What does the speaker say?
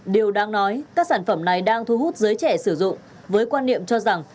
điều đang nói các sản phẩm này đang thu hút giới trẻ sử dụng với quan niệm cho rằng